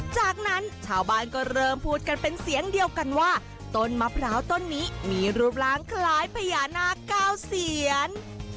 จากนั้นชาวบ้านก็เริ่มพูดกันเป็นเสียงเดียวกันว่าต้นมะพร้าวต้นนี้มีรูปร่างคล้ายพญานาคเก้าเซียน